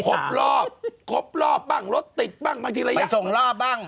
ตอนตี๓ครบรอบรถติดบ้างบางทีระยะไปส่งรอบบ้าง